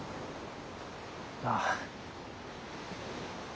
ああ。